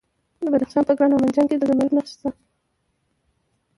د بدخشان په کران او منجان کې د زمرد نښې شته.